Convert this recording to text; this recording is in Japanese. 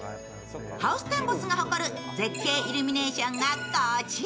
ハウステンボスが誇る絶景イルミネーションがこちら。